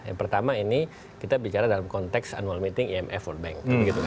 yang pertama ini kita bicara dalam konteks annual meeting imf world bank